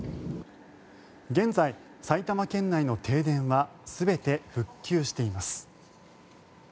現在、埼玉県内の停電は全て復旧しています。